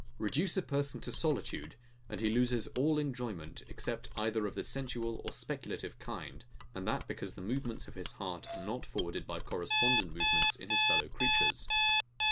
Reduce a person to solitude, and he loses all enjoyment, except either of the sensual or speculative kind; and that because the movements of his heart are not forwarded by correspondent movements in his fellow creatures.